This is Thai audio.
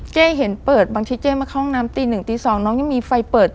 เจ๊เห็นเปิดบางทีเจ๊มาเข้าห้องน้ำตีหนึ่งตี๒น้องยังมีไฟเปิด